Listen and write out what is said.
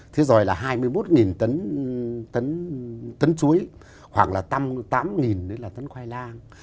thế rồi là hai mươi một tấn chuối khoảng là tám tấn khoai lang